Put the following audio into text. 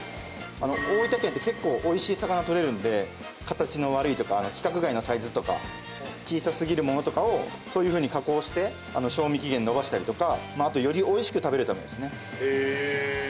大分県って結構美味しい魚がとれるので形の悪いとか規格外のサイズとか小さすぎるものとかをそういうふうに加工して賞味期限延ばしたりとかあとより美味しく食べるためですね。